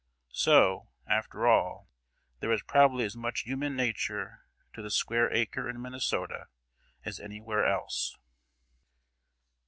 So, after all, there is probably as much human nature to the square acre in Minnesota as anywhere else.